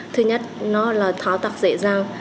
thứ nhất là tháo tạc dễ dàng